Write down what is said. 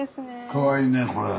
かわいいねこれ。